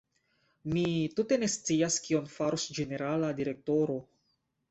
Mi tute ne scias kion farus ĝenerala direktoro.